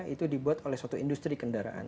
itu dibuat oleh suatu industri kendaraan